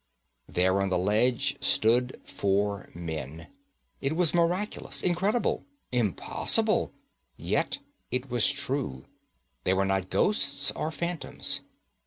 There on the ledge stood four men. It was miraculous, incredible, impossible, yet it was true. They were not ghosts or phantoms.